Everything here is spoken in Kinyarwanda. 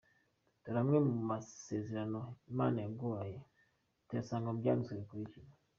Dore amwe mu masezerano Imana yaguhaye tuyasanga mu byanditswe bikurikira:.